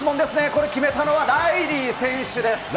これ、決めたのはライリー選手です。